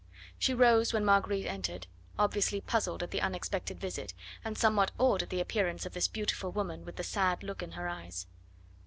She rose when Marguerite entered, obviously puzzled at the unexpected visit, and somewhat awed at the appearance of this beautiful woman with the sad look in her eyes.